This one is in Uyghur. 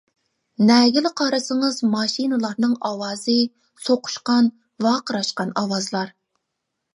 نەگىلا قارىسىڭىز ماشىنىلارنىڭ ئاۋازى، سوقۇشقان، ۋارقىراشقان ئاۋازلار.